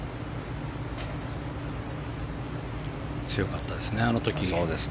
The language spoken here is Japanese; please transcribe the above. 強かったですね、あの時。